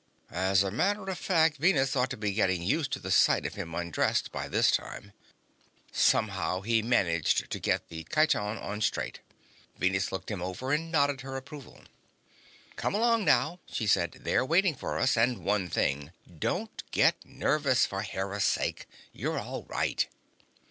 As a matter of fact, Venus ought to be getting used to the sight of him undressing by this time. Somehow, he finally managed to get the chiton on straight. Venus looked him over and nodded her approval. "Come along now," she said. "They're waiting for us. And one thing: don't get nervous, for Hera's sake. You're all right."